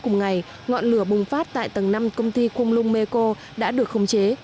cùng ngày ngọn lửa bùng phát tại tầng năm công ty con lung meco đã được khống chế